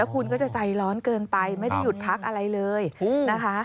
คุณก็จะใจร้อนเกินไปไม่ได้หยุดพักอะไรเลยนะคะ